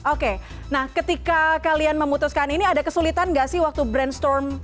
oke nah ketika kalian memutuskan ini ada kesulitan gak sih waktu brainstorm